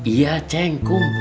iya ceng kum